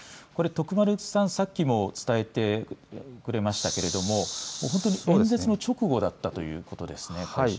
徳丸さん、さっきも伝えてくれましたけれども演説の直後だったということですね。